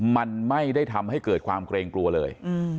มันไม่ได้ทำให้เกิดความเกรงกลัวเลย